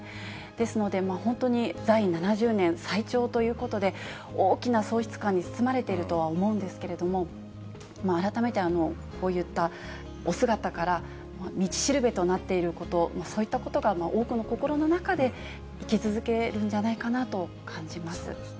ですので、本当に在位７０年、最長ということで、大きな喪失感に包まれているとは思うんですけれども、改めてこういったお姿から、道しるべとなっていること、そういったことが多くの心の中で生き続けるんじゃないかなと感じます。